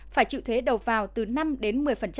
phải chịu thuế đầu vào từ năm đến một mươi